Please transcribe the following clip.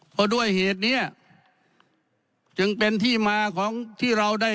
เพราะด้วยเหตุเนี้ยจึงเป็นที่มาของที่เราได้